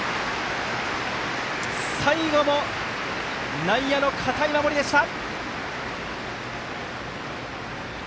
最後の内野の堅い守りでした。